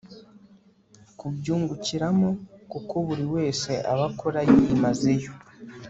kibyungukiramo kuko buri wese aba akora yimazeyo